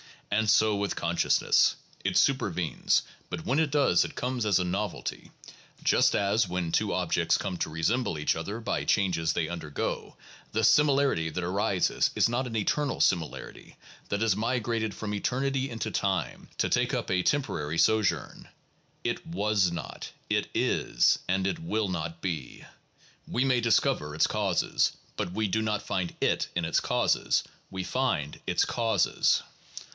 And so with consciousness. It supervenes, but when it does it comes as a novelty, just as, when two objects come to resemble each other by changes they undergo, the similarity that arises is not an eternal similarity that has migrated from eternity into time to take up a temporary sojourn; it was not; it is; and it will not be. We may discover its causes, but we do not find it in its causes; we find its causes.